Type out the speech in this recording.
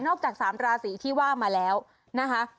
จาก๓ราศีที่ว่ามาแล้วนะคะ